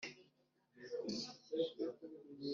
Imana yawugize ikiruhuko